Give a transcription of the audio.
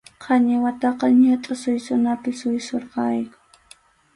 Qañiwataqa ñutʼu suysunapi suysurqayku.